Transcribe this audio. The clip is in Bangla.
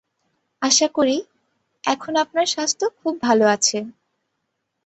আশা করি, এখন আপনার স্বাস্থ্য খুব ভাল আছে।